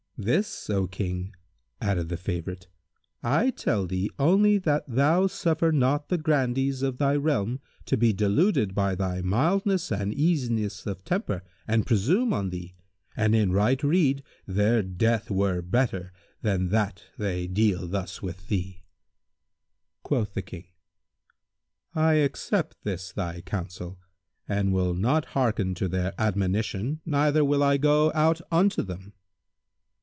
"This, O King," added the favourite, "I tell thee only that thou suffer not the Grandees of thy realm to be deluded by thy mildness and easiness of temper and presume on thee; and, in right rede, their death were better than that they deal thus with thee." Quoth the King, "I accept this thy counsel and will not hearken to their admonition neither will I go out unto them."